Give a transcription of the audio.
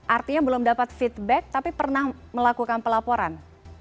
artinya belum dapat feedback tapi pernah melakukan pelaporan